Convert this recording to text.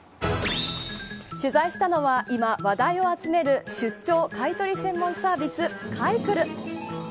取材したのは、今話題を集める出張買い取り専門サービス買いクル。